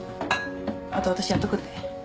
あと私やっとくんで。